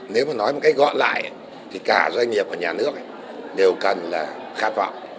nếu mà nói một cách gọi lại thì cả doanh nghiệp và nhà nước đều cần là khát vọng